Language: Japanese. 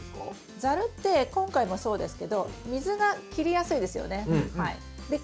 ザルって今回もそうですけど水が切りやすいですよね。